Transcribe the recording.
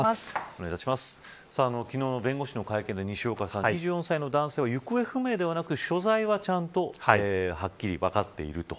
昨日の弁護士の会見で２４歳の男性は行方不明ではなく所在ははっきり分かっていると。